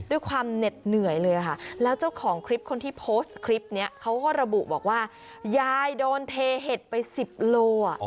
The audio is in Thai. ด้วยความเหน็ดเหนื่อยเลยค่ะแล้วเจ้าของคลิปคนที่โพสต์คลิปนี้เขาก็ระบุบอกว่ายายโดนเทเห็ดไปสิบโลอ่ะ